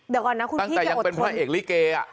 เดี๋ยวก่อนนะคุณตั้งแต่ยังเป็นพระเอกลิเกอ่ะ